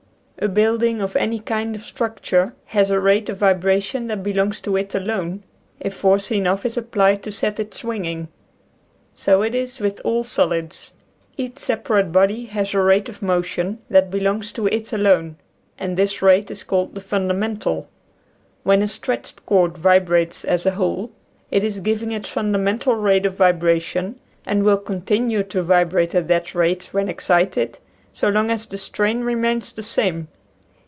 A building or any kind of structure has a rate of vibra tion that belongs to it alone if force enough is applied to set it swinging. So it is with all solids; each separate body has a rate of motion that belongs to it alone, and this rate is called the fundamental. When a stretched cord vibrates as a whole, it is giving its fun damental rate of vibration, and will continue to vibrate at that rate when excited so long as the strain remains the same.